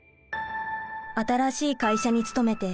新しい会社に勤めて３年目。